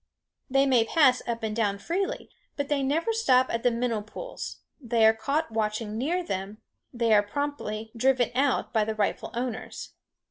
They may pass up and down freely, but they never stop at the minnow pools; they are caught watching near them, they are promptly driven out by the rightful owners.